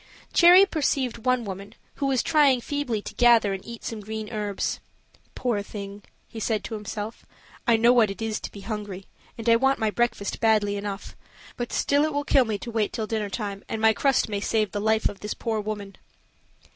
Cherry perceived one woman, who was trying feebly to gather and eat some green herbs. "Poor thing!" said he to himself; "I know what it is to be hungry, and I want my breakfast badly enough; but still it will kill me to wait till dinner time, and my crust may save the life of this poor woman."